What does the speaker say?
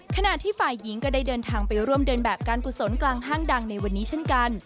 ขณะที่ฝ่ายหญิงก็ได้เดินทางไปร่วมเดินแบบการกุศลกลางห้างดังในวันนี้เช่นกัน